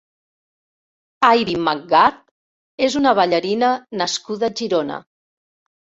Aibi macgarth és una ballarina nascuda a Girona.